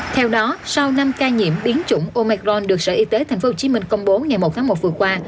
theo đó sau năm ca nhiễm biến chủng omecron được sở y tế tp hcm công bố ngày một tháng một vừa qua